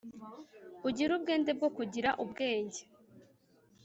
ugire ubwende bwo kugira ubwenge